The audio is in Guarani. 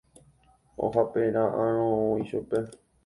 ohapera'ãrõ ichupe.